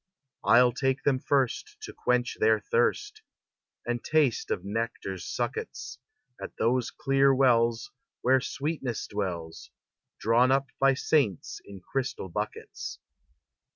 I'll take them first To quench their thirst, And taste of nectar's suckets At those clear wells Where sweetness dwells Drawn up by saints in crystal buckets.